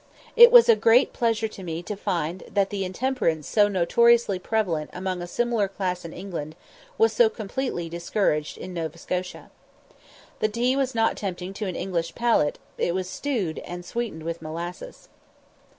It was a great pleasure to me to find that the intemperance so notoriously prevalent among a similar class in England was so completely discouraged in Nova Scotia. The tea was not tempting to an English palate; it was stewed, and sweetened with molasses.